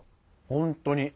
本当に。